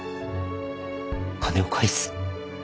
金を返す。